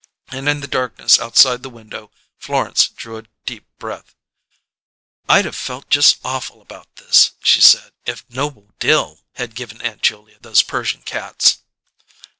And in the darkness outside the window Florence drew a deep breath. "I'd of felt just awful about this," she said, "if Noble Dill had given Aunt Julia those Persian cats."